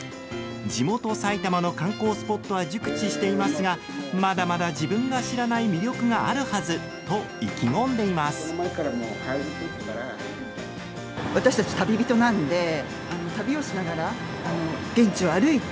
地元埼玉の観光スポットは熟知していますがまだまだ自分が知らない魅力があるはずと意気込んでいます。